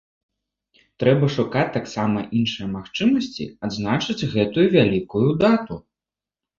Трэба шукаць таксама іншыя магчымасці адзначыць гэтую вялікую дату.